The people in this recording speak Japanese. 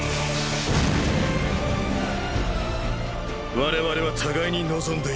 我々は互いに望んでいる。